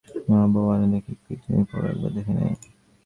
তোমার বইগুলো আনো দেখি, কী তুমি পড় একবার দেখে নিই।